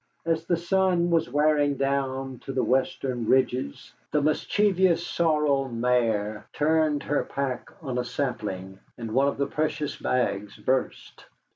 As the sun was wearing down to the western ridges the mischievous sorrel mare turned her pack on a sapling, and one of the precious bags burst.